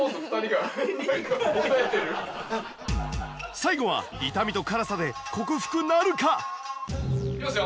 最後は痛みと辛さで克服なるか！？いきますよ。